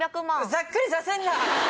ざっくりさせんな！